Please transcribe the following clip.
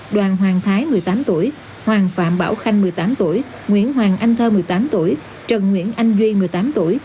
đoàn hoàng thái một mươi tám tuổi hoàng phạm bảo khanh một mươi tám tuổi nguyễn hoàng anh thơ một mươi tám tuổi trần nguyễn anh duy một mươi tám tuổi